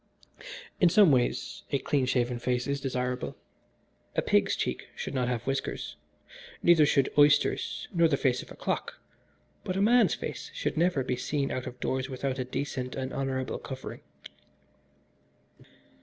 "In some ways a clean shaved face is desirable. A pig's cheek should not have whiskers, neither should oysters nor the face of a clock, but a man's face should never be seen out of doors without a decent and honourable covering."